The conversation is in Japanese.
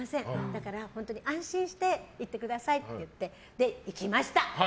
だから安心して行ってくださいって行っていきました。